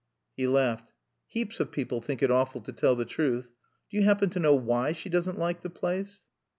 He laughed. "Heaps of people think it awful to tell the truth. Do you happen to know why she doesn't like the place?"